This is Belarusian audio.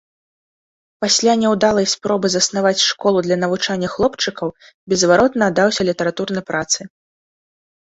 Пасля няўдалай спробы заснаваць школу для навучання хлопчыкаў, беззваротна аддаўся літаратурнай працы.